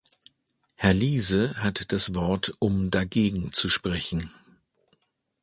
Herr Liese hat das Wort, um dagegen zu sprechen.